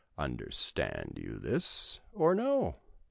'Understand you this, or no?